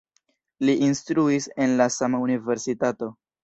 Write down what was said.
Li instruis en la sama universitato.